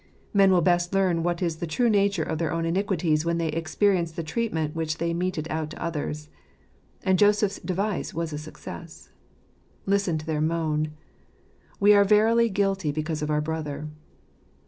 Men will best learn what is the true nature of their own iniquities when they experience the treatment which they meted out to others. And Joseph's device was a success. Listen to their moan, "We are verily guilty because of our brother."